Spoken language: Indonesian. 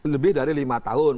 lebih dari lima tahun